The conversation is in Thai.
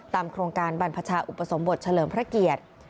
โครงการบรรพชาอุปสมบทเฉลิมพระเกียรติ